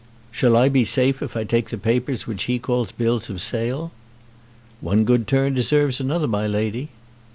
"Shall I be safe if I take the papers which he calls bills of sale?" "One good turn deserves another, my lady."